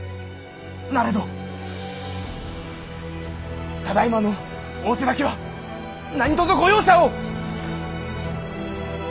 なれどただいまの仰せだけは何とぞご容赦を！